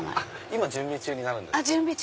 今準備中になるんです。